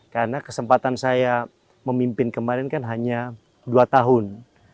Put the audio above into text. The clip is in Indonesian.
karena kesempatan saya memimpin kemarin kan hanya dua tahun